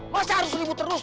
masih harus ribut terus